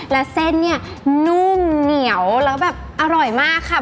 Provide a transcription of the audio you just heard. แล้วเส้นเนี่ยนุ่มเหนียวแล้วแบบอร่อยมากค่ะ